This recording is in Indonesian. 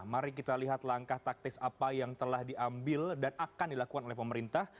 mari kita lihat langkah taktis apa yang telah diambil dan akan dilakukan oleh pemerintah